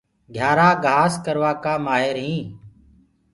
گهيآرآ گھآس ڪروآ ڪآ مآهر هينٚ۔